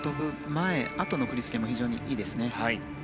前やそのあとの振り付けも非常にいいですね。